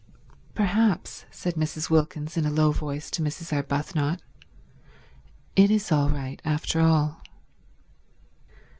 "Perhaps," said Mrs. Wilkins in a low voice to Mrs. Arbuthnot, "It is all right after all."